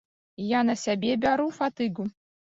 Я на сябе бяру фатыгу.